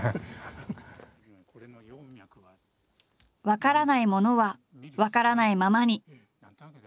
分からないものは分からないままに。